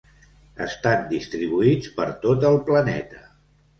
Estan distribuïts per tot el planeta.